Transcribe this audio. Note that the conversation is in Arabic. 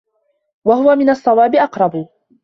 وَهُوَ مِنْ الصَّوَابِ أَقْرَبُ